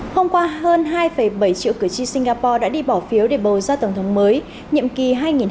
hôm qua hơn hai bảy triệu cử tri singapore đã đi bỏ phiếu để bầu ra tổng thống mới nhiệm kỳ hai nghìn hai mươi hai nghìn hai mươi sáu